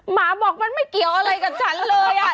หมาบอกมันไม่เกี่ยวอะไรกับฉันเลยอ่ะ